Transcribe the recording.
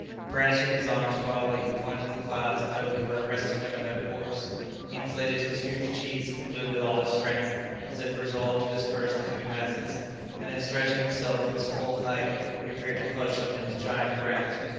Brandishing his arms wildly he pointed to the clouds as though he were arresting them in their course; he inflated his huge cheeks and blew with all his strength, as if resolved to disperse the heavy masses, and then stretching himself to his full height, he appeared to clutch them in his giant grasp.